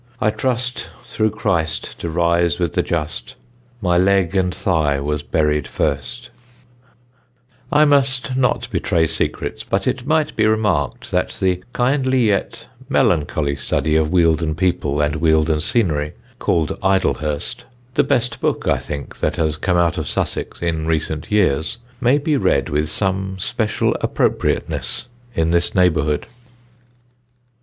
I trust through Christ to rise with the just: My leg and thigh was buried first. [Sidenote: "IDLEHURST"] I must not betray secrets, but it might be remarked that that kindly yet melancholy study of Wealden people and Wealden scenery, called Idlehurst the best book, I think, that has come out of Sussex in recent years may be read with some special appropriateness in this neighbourhood.